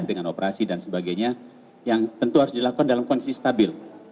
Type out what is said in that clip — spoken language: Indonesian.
dengan operasi dan sebagainya yang tentu harus dilakukan dalam kondisi stabil